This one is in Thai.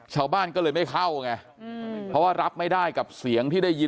ชาวบ้านก็เลยไม่เข้าไงเพราะว่ารับไม่ได้กับเสียงที่ได้ยิน